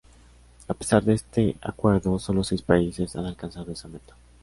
A pesar de este acuerdo, solo seis países han alcanzado esa meta.